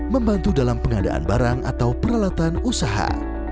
membantu dalam pengadaan barang atau peralatan usaha